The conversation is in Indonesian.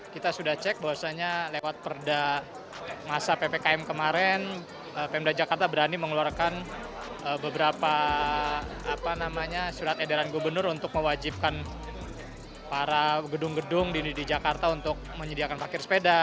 kita sudah cek bahwasanya lewat perda masa ppkm kemarin pemda jakarta berani mengeluarkan beberapa surat edaran gubernur untuk mewajibkan para gedung gedung di jakarta untuk menyediakan parkir sepeda